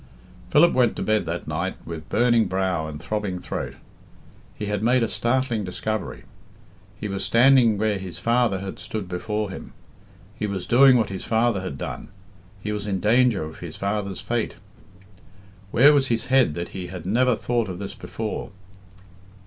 Philip went to bed that night with burning brow and throbbing throat. He had made a startling discovery. He was standing where his father had stood before him; he was doing what his father had done; he was in danger of his father's fate! Where was his head that he had never thought of this before?